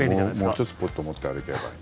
もう１つポット持って歩けばいい。